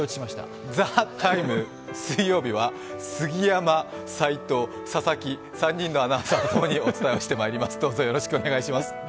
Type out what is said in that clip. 「ＴＨＥＴＩＭＥ，」、水曜日は杉山、齋藤、佐々木、３人のアナウンサーと共にお伝えしてまいります。